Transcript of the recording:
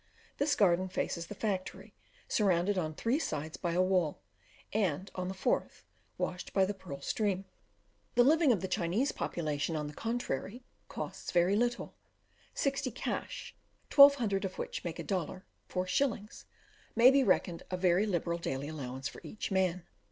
This garden faces the factory, surrounded on three sides by a wall, and, on the fourth, washed by the Pearl stream. The living of the Chinese population, on the contrary, costs very little; 60 cash, 1,200 of which make a dollar (4s.), may be reckoned a very liberal daily allowance for each man.